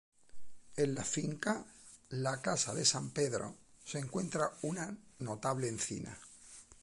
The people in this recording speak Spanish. En la finca "La Casa de San Pedro" se encuentra una notable encina.